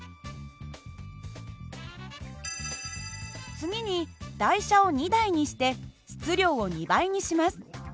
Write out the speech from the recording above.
次に台車を２台にして質量を２倍にします。